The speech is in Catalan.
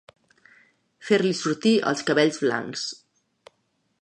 Fer-li sortir els cabells blancs.